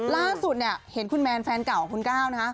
ล่าสุดเนี่ยเห็นคุณแมนแฟนเก่าของคุณก้าวนะคะ